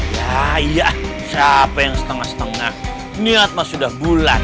ya iya capek yang setengah setengah niat mas sudah bulan